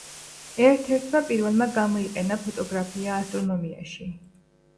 ერთ-ერთმა პირველმა გამოიყენა ფოტოგრაფია ასტრონომიაში.